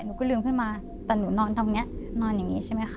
ดูก็ลืมคือมาแต่หนูนอนทำนี้นอนอย่างนี้ใช่มั้งค่ะ